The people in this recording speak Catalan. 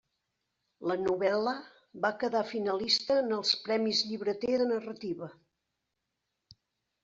La novel·la va quedar finalista en els Premis Llibreter de narrativa.